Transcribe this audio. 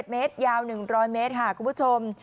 เมตรยาว๑๐๐เมตรค่ะคุณผู้ชม